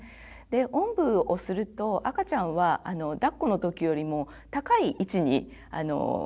おんぶをすると赤ちゃんはだっこの時よりも高い位置に顔がきます。